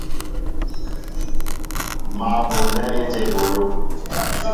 Mă ɓolnέ ejém ebolo.